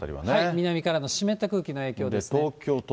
南からの湿った空気の影響ですね。